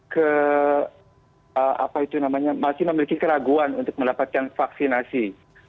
ke apa itu namanya masih memiliki keraguan untuk mendapatkan vaksinasi